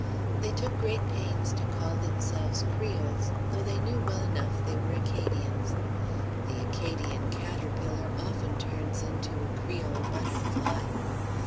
They took great pains to call themselves Creoles, though they knew well enough they were Acadians. The Acadian caterpillar often turns into a Creole butterfly.